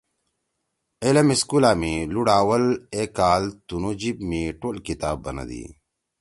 علم سکولا می لُوڑ اوّل اے کال تُنُو جیِب می ٹول کتاب بندی۔